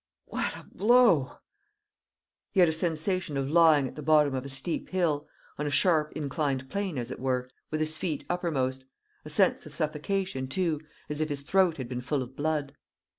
"What a blow!" He had a sensation of lying at the bottom of a steep hill on a sharp inclined plane, as it were, with his feet uppermost a sense of suffocation, too, as if his throat had been full of blood.